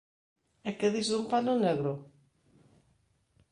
E que dis dun pano negro?